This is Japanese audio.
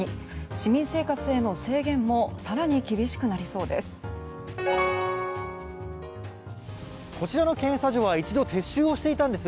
市民生活への制限も更に厳しくなりそうです。